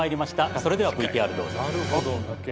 それではＶＴＲどうぞ。